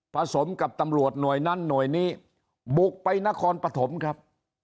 สมกับตำรวจหน่วยนั้นหน่วยนี้บุกไปนครปฐมครับ